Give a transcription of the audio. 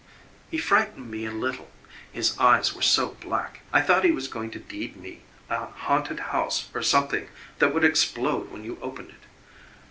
He frightened me a little his eyes were so black. I thought he was going to deed me a haunted house or something that would explode when you opened it.